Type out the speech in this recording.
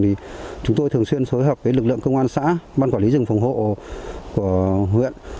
thì chúng tôi thường xuyên phối hợp với lực lượng công an xã ban quản lý rừng phòng hộ của huyện